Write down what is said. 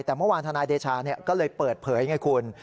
แต่เมื่อวานธนายเดชาก็เลยเปิดเผยไงคุณ